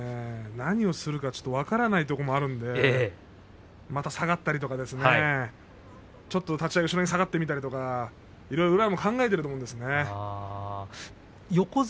何をするか分からないところもあるので下がったりとか立ち合いを後ろに下がってみたりとか宇良もいろいろ考えていると思うんですね。